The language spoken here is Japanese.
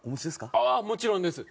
ああもちろんです。